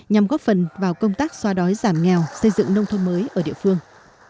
nhằm góp phần vào công tác xóa đói giảm nghèo xây dựng nông thôn mới ở địa phương